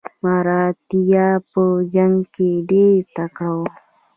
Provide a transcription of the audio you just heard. مراتیان په جنګ کې ډیر تکړه وو.